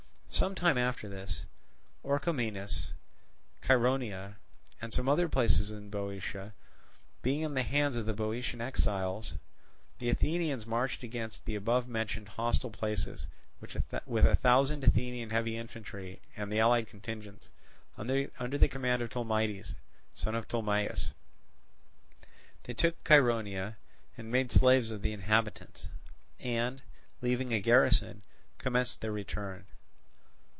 Some time after this, Orchomenus, Chaeronea, and some other places in Boeotia being in the hands of the Boeotian exiles, the Athenians marched against the above mentioned hostile places with a thousand Athenian heavy infantry and the allied contingents, under the command of Tolmides, son of Tolmaeus. They took Chaeronea, and made slaves of the inhabitants, and, leaving a garrison, commenced their return.